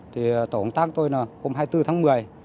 thì tổ công tác tôi là hôm hai mươi bốn tháng một mươi